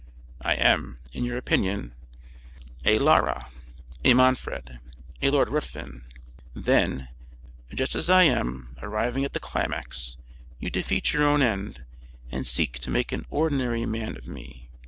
I am, in your opinion, a Lara, a Manfred, a Lord Ruthven; then, just as I am arriving at the climax, you defeat your own end, and seek to make an ordinary man of me.